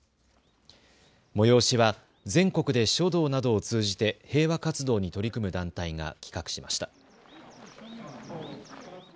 催しは全国で書道などを通じて平和活動に取り組む団体が企画しました。